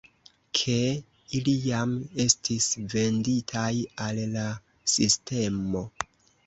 Ke ili jam estis "venditaj" al la sistemo.